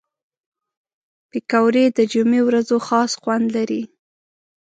پکورې د جمعې ورځو خاص خوند لري